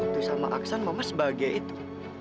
waktu sama aksan mama sebahagia itu